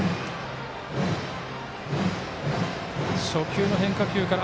初球の変化球から。